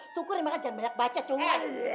sukurin makan jangan banyak baca cuma